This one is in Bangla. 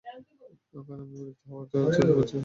ওখানে আমি বিরক্তি হওয়া চোখ দেখতে পাচ্ছি।